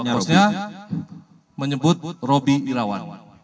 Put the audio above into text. kosnya menyebut robi irawan